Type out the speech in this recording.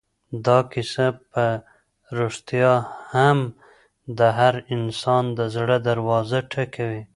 دا کیسه په رښتیا هم د هر انسان د زړه دروازه ټکوي.